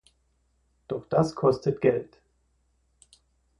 Doch das kostet Geld.